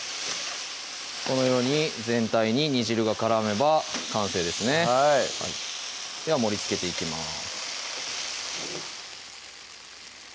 このように全体に煮汁が絡めば完成ですねでは盛りつけていきます